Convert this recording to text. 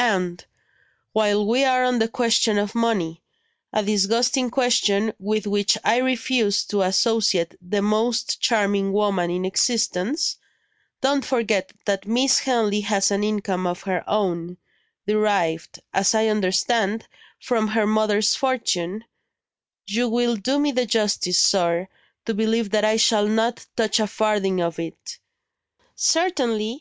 And, while we are on the question of money (a disgusting question, with which I refuse to associate the most charming woman in existence), don't forget that Miss Henley has an income of her own; derived, as I understand, from her mother's fortune, You will do me the justice, sir, to believe that I shall not touch a farthing of it." "Certainly!